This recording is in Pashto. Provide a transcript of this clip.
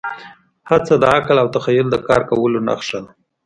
هڅه د عقل او تخیل د کار کولو نښه ده.